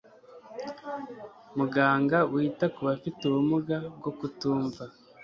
muganga wita ku bafite ubumuga bwo kutumva